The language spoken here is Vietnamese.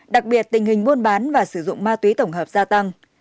đặc biệt tình hình buôn bán và sử dụng ma túy tổng hợp gia tăng